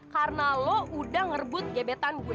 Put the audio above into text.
karena lo udah ngerebut gebetan gue